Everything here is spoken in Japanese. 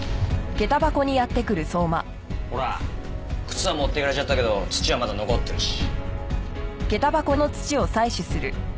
ほら靴は持っていかれちゃったけど土はまだ残ってるし。